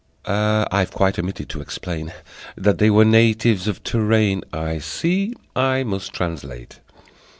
_" (I've quite omitted to explain That they were natives of Touraine; I see I must translate.)